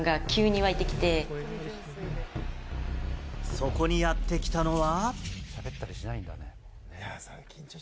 そこにやってきたのは。